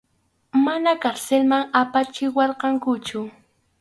Mana karsilman apachiwarqankuchu.